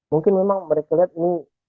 mungkin memang mereka lihat ini